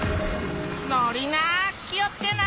のりなきをつけな。